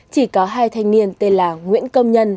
chỉ có hai thanh niên tên là nguyễn công nhân